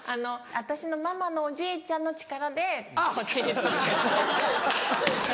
私のママのおじいちゃんの力でこっちに住んでて。